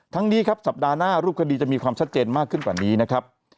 นี้ครับสัปดาห์หน้ารูปคดีจะมีความชัดเจนมากขึ้นกว่านี้นะครับ